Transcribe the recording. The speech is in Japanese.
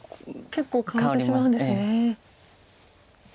結構変わってしまうんですね。